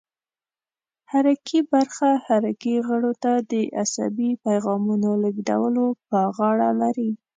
حرکي برخه حرکي غړو ته د عصبي پیغامونو لېږدولو په غاړه لري.